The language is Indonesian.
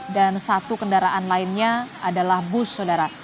dan satu kendaraan lainnya adalah bus saudara